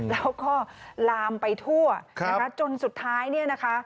แล้วก็ลามไปทั่วนะคะจนสุดท้ายเนี่ยนะคะ